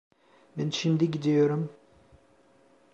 Ben şimdi gidiyorum.